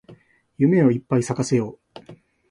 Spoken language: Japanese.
夢をいっぱい咲かせよう